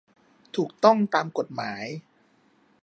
ถูกต้องตามกฎหมาย